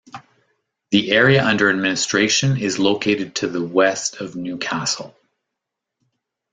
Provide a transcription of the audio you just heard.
The area under administration is located to the west of Newcastle.